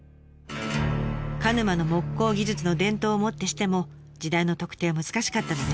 鹿沼の木工技術の伝統をもってしても時代の特定は難しかったのです。